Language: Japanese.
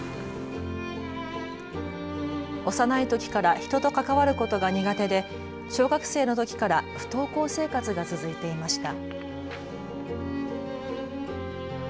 幼いときから人と関わることが苦手で小学生のときから不登校生活が続いていました。